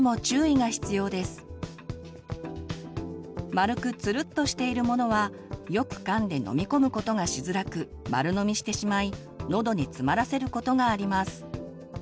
丸くつるっとしているものはよくかんで飲み込むことがしづらく丸飲みしてしまいのどに詰まらせることがあります。